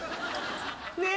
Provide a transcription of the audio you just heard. ねえ。